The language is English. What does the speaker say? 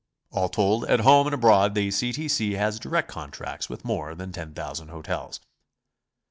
All told, at home and abroad, the C. T. C. has direct contracts with more than 10.000 hotels.